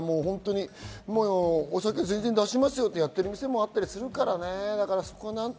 お酒出しますよでやってる店もあったりするからね。